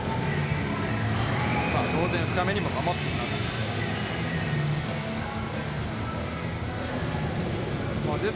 当然深めにも守っています。